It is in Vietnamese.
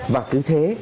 và cứ thế